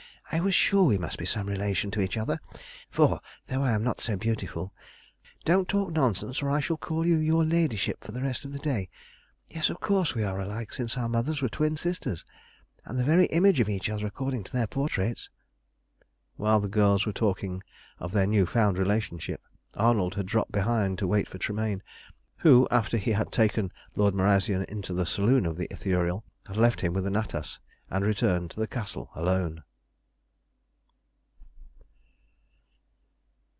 "I was sure we must be some relation to each other; for, though I am not so beautiful" "Don't talk nonsense, or I shall call you 'Your Ladyship' for the rest of the day. Yes, of course we are alike, since our mothers were twin sisters, and the very image of each other, according to their portraits." While the girls were talking of their new found relationship, Arnold had dropped behind to wait for Tremayne, who, after he had taken Lord Marazion into the saloon of the Ithuriel, had left him with Natas and returned to the Castle alone.